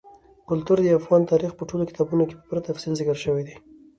کلتور د افغان تاریخ په ټولو کتابونو کې په پوره تفصیل ذکر شوی دي.